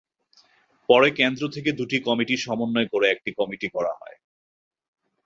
পরে কেন্দ্র থেকে দুটি কমিটি সমন্বয় করে একটি কমিটি করা হয়।